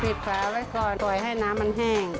ปื๊ดผัวและก่อนให้น้ำมันแห้ง